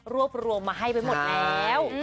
รวบรวมมาให้ไปหมดแล้ว